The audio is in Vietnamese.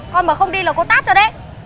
con mà không đi là cô tát cho đấy